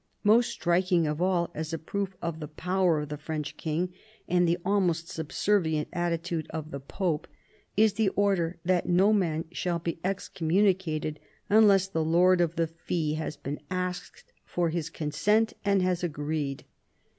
Most striking of all, as a proof of the power of the French king and the almost subservient attitude of the Pope, is the order that no man shall be ex »» communicated unless the lord of the fee has been asked for his consent and has agreed.